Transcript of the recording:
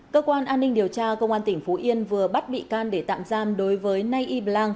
cơ quan an ninh điều tra công an tỉnh phú yên vừa bắt bị can để tạm giam đối với nay y blang